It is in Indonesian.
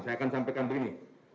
saya akan sampaikan begini